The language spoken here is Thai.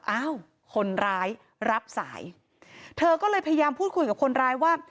อ้าวคนร้ายรับสายเธอก็เลยพยายามพูดคุยกับคนร้ายว่า